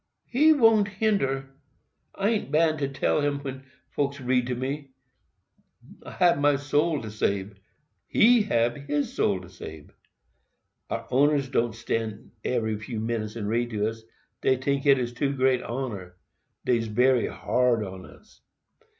"He won't hinder—I an't bound tell him when folks reads to me. I hab my soul to sabe—he hab his soul to sabe. Our owners won't stand few minutes and read to us—dey tink it too great honor—dey's bery hard on us.